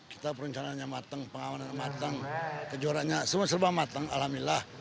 kita perencanaannya matang pengamanan matang kejuaraannya semua serba matang alhamdulillah